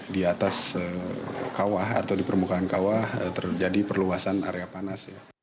di atas kawah atau di permukaan kawah terjadi perluasan area panas